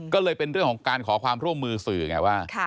ก็เลยเป็นเรื่องของการขอความร่วมมือสื่อไงว่า